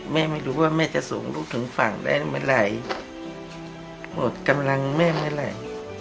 ไม่รู้ว่าแม่จะส่งลูกถึงฝั่งได้เมื่อไหร่หมดกำลังแม่เมื่อไหร่